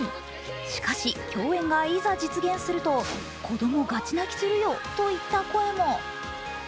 しかし、共演がいざ実現すると、子供がち泣きするよといった声も。